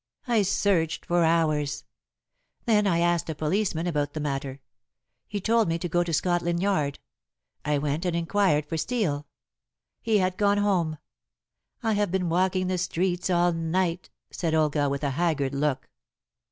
I searched for hours. Then I asked a policeman about the matter. He told me to go to Scotland Yard. I went and inquired for Steel. He had gone home. I have been walking the streets all night," said Olga, with a haggard look.